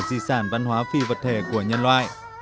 di sản văn hóa phi vật thể của nhân loại